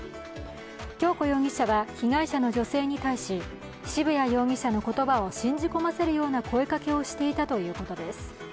恭子容疑者は被害者の女性に対し渋谷容疑者の言葉を信じ込ませるような声かけをしていたということです。